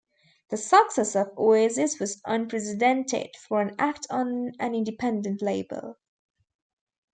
The success of Oasis was unprecedented for an act on an independent label.